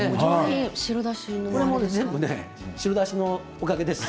白だしのおかげです。